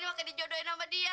makanya dijodohin sama dia